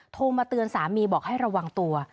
โทรมาเตือนสามีบอกให้ระวังตัว